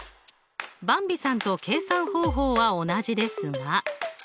ばんびさんと計算方法は同じですが。